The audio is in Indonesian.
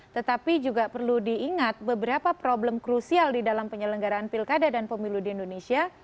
tetapi juga perlu diingat beberapa problem krusial di dalam penyelenggaraan pilkada dan pemilu di indonesia